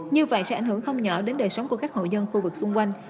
như vậy sẽ ảnh hưởng không nhỏ đến đời sống của các hậu nhân khu vực xung quanh